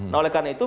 nah oleh karena itu